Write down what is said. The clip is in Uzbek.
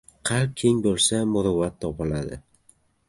• Qalb keng bo‘lsa, muruvvat topiladi.